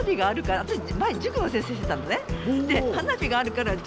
わたし前塾の先生してたのね。